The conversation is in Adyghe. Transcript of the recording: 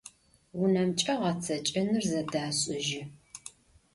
Vunemç'e ğetseç'enır zedaş'ıjı.